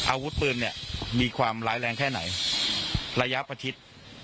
อาวุธปืนเนี่ยมีความร้ายแรงแค่ไหนระยะประชิด